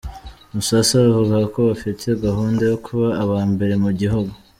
Musasa avuga ko bafite gahunda yo kuba aba mbere mu gihugu.